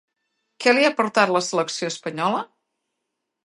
Què li ha aportat a la selecció espanyola?